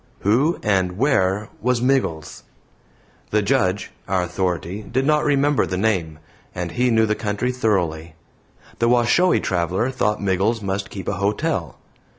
Who and where was Miggles? The Judge, our authority, did not remember the name, and he knew the country thoroughly. The Washoe traveler thought Miggles must keep a hotel.